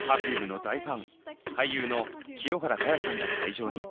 Ｐｅｒｆｕｍｅの大ファン俳優の清原果耶さんが会場に。